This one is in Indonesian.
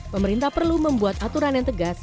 pemerintah perlu membuat aturan yang tegas